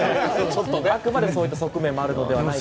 あくまでそういった側面もあるのではないかと。